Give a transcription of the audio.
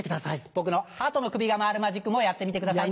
僕のハトの首が回るマジックもやってみてくださいね。